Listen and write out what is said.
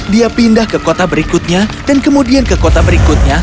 dia pindah ke kota berikutnya dan kemudian ke kota berikutnya